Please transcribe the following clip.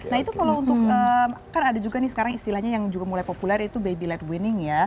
nah itu kalau untuk kan ada juga nih sekarang istilahnya yang juga mulai populer yaitu baby lab winning ya